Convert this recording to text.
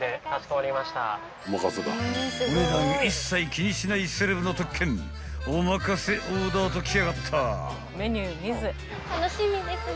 ［お値段一切気にしないセレブの特権お任せオーダーときやがった］